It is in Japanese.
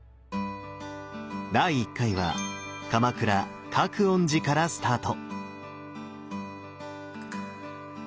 第１回は鎌倉・覚園寺からスタート！